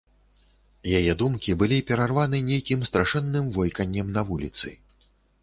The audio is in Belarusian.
Яе думкі былі перарваны нейкім страшэнным войканнем на вуліцы.